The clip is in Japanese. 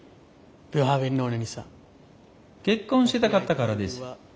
結婚したかったからです。